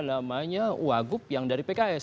namanya wagup yang dari pks